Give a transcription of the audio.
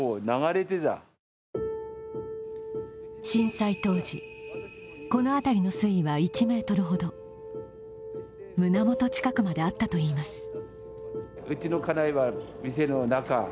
震災当時、この辺りの水位は１ｍほど、胸元近くまであったといいます。